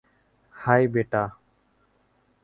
High, বেটা।